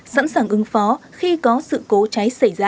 sẵn sàng ứng phó khi có sự cố cháy xảy ra